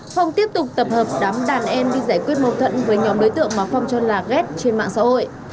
phong tiếp tục tập hợp đám đàn em đi giải quyết mâu thuẫn với nhóm đối tượng mà phong cho là ghép trên mạng xã hội